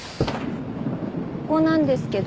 ここなんですけど。